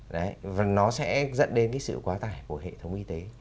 đấy và nó sẽ dẫn đến cái sự quá tải của hệ thống y tế